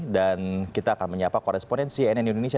dan kita akan menyapa koresponen cnn indonesia